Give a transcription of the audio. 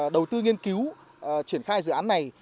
đầu tư nghiên cứu triển khai dự án này